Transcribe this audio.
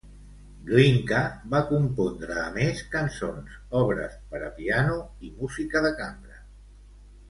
Glinka va compondre, a més, cançons, obres per a piano, i música de cambra.